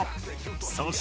そして